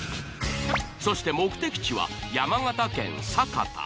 そして目的地は山形県酒田。